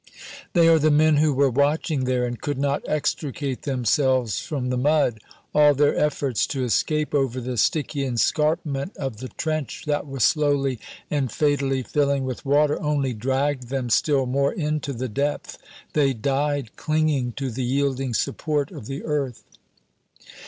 They are the men who were watching there, and could not extricate themselves from the mud. All their efforts to escape over the sticky escarpment of the trench that was slowly and fatally filling with water only dragged them still more into the depth. They died clinging to the yielding support of the earth.